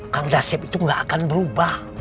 kang dasib itu gak akan berubah